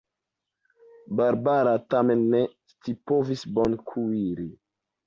Barbara tamen ne scipovis bone kuiri.